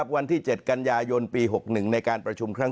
วันที่๗กันยายนปี๖๑ในการประชุมครั้ง